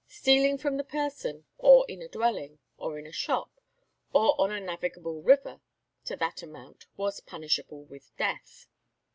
Stealing from the person, or in a dwelling, or in a shop, or on a navigable river, to that amount, was punished with death.